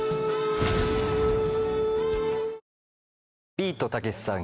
ビートたけしさん